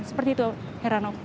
seperti itu heranov